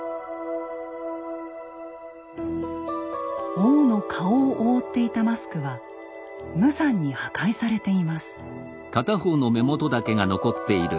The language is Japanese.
王の顔を覆っていたマスクは無残に破壊されています。